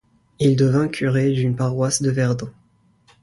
Il devint Curé d'une paroisse de Verdun.